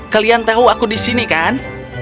kalian tahu aku di sini kan